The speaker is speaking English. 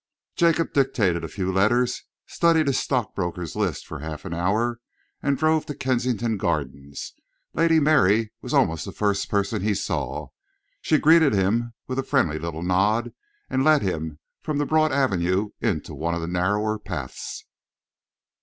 Jacob dictated a few letters, studied his stockbroker's list for half an hour, and drove to Kensington Gardens. Lady Mary was almost the first person he saw. She greeted him with a friendly little nod and led him from the broad avenue into one of the narrower paths.